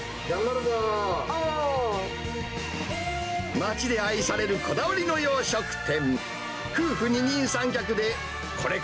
町で愛されるこだわりの洋食店。